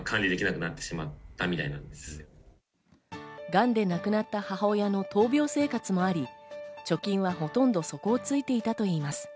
がんで亡くなった母親の闘病生活もあり、貯金はほとんど底をついていたといいます。